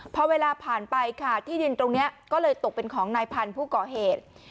พอเวลาผ่านไปค่ะที่ดินตรงนี้ก็เลยตกเป็นของนายพันธุ์ผู้ก่อเหตุ